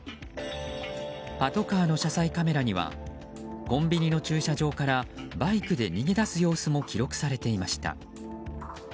パトカーの車載カメラにはコンビニの駐車場からバイクで逃げ出す様子も記録されていました。